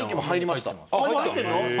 入りました。